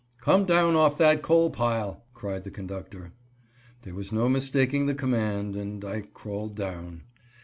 "Come down off that coal pile," cried the conductor. There was no mistaking the command, and I crawled down.